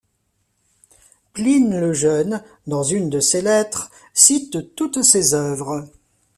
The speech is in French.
Pline le jeune, dans une de ses lettres, cite toutes ses œuvres.